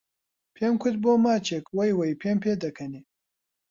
پێم کوت بۆ ماچێک وەی وەی پێم پێ دەکەنێ